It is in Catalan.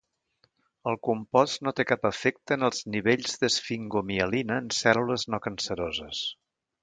El compost no té cap efecte en els nivells d'esfingomielina en cèl·lules no canceroses.